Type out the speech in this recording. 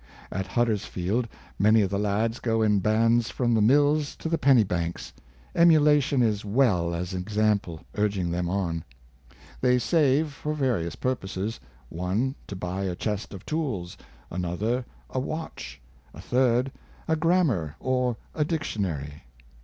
At Hudders field many of the lads go in bands from the mills to the penny banks; emula tion as well as example urging them on. They save for various purposes — one to buy a chest of tools; another, a watch; a third, a grammar or a dictionary.